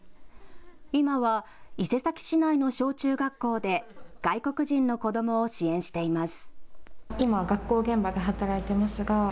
今は伊勢崎市内の小中学校で外国人の子どもを支援しています。